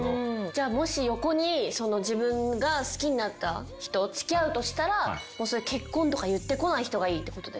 じゃあもし横に自分が好きになった人付き合うとしたら結婚とか言ってこない人がいいってこと？